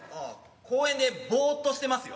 公園でボーッとしてますよ。